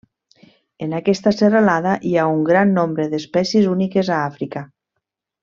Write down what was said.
En aquesta serralada, hi ha un gran nombre d'espècies úniques a Àfrica.